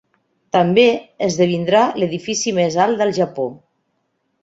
També esdevindrà l'edifici més alt del Japó.